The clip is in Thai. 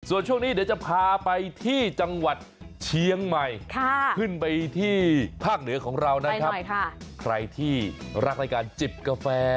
ส่วนช่วงนี้เดี๋ยวจะพาไปที่จังหวัดเชียงใหม่ขึ้นไปที่ภาคเหนือของเรานะครับใครที่รักในการจิบกาแฟ